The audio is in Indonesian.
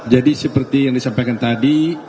seperti yang disampaikan tadi